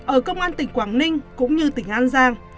ở công an tỉnh quảng ninh cũng như tỉnh an giang